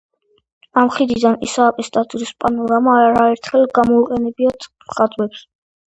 ამ ხიდიდან ისააკის ტაძრის პანორამა არაერთხელ გამოუყენებიათ მხატვრებს.